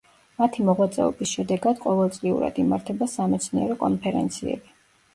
მათი მოღვაწეობის შედეგად ყოველწლიურად იმართება სამეცნიერო კონფერენციები.